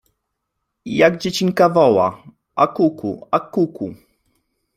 I jak dziecinka woła: a kuku, a kuku.